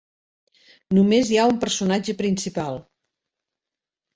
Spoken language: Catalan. Només hi ha un personatge principal.